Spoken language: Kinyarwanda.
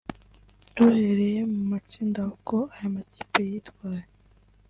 Duhereye mu matsinda uko aya makipe yitwaye